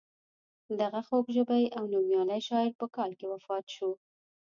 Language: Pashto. دغه خوږ ژبی او نومیالی شاعر په کال کې وفات شو.